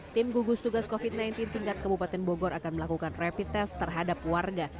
tim gugus tugas covid sembilan belas tingkat kabupaten bogor akan melakukan rapid test terhadap warga